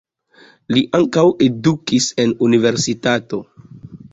Li ankaŭ edukis en universitato.